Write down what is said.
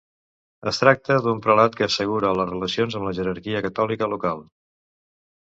Es tracta d'un prelat que assegura les relacions amb la jerarquia catòlica local.